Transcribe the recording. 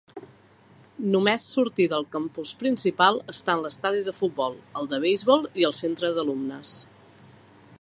Només sortir del campus principal estan l'estadi de futbol, el de beisbol i el centre d'alumnes.